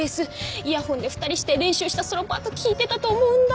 イヤホンで２人して練習したソロパート聞いてたと思うんだ！